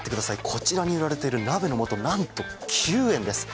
こちらに売られている鍋の素何と９円です！